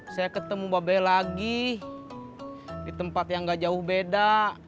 saya ketemu mbak bei lagi di tempat yang gak jauh beda